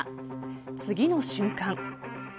次の瞬間。